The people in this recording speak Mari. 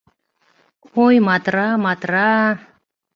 Ой, Матра-Матра!